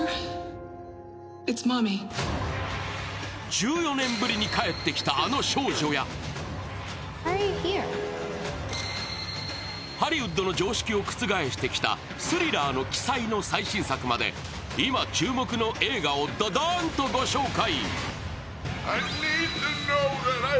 １４年ぶりに帰ってきたあの少女やハリウッドの常識を覆してきたスリラーの鬼才の最新作まで今、注目の映画をドドーンとご紹介。